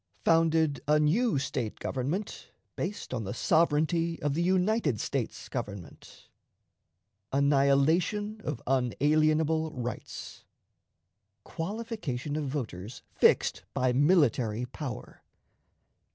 Founded a New State Government based on the Sovereignty of the United States Government. Annihilation of Unalienable Rights. Qualification of Voters fixed by Military Power.